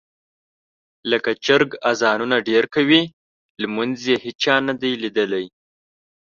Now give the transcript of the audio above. لکه چرګ اذانونه ډېر کوي، لمونځ یې هېچا نه دي لیدلی.